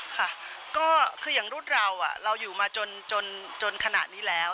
ค่ะก็คืออย่างรุ่นเราเราอยู่มาจนขณะนี้แล้ว